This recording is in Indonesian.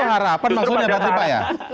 itu harapan maksudnya pak tifa ya